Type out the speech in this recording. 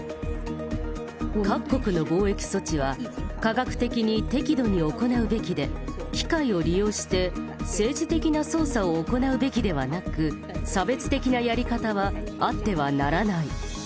各国の防疫措置は、科学的に適度に行うべきで、機会を利用して政治的な操作を行うべきではなく、差別的なやり方はあってはならない。